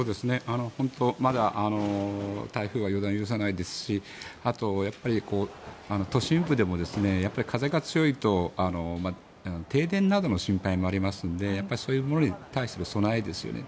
まだ台風は予断を許さないですしあと、都心部でも風が強いと停電などの心配もありますのでそういうものに対する備えですよね。